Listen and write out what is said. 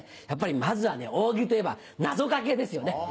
やっぱりまずは大喜利といえば謎掛けですよね。